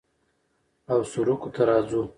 او سروکو ته راځو